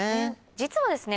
実はですね